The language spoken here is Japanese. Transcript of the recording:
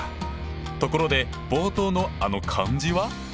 ところで冒頭のあの漢字は？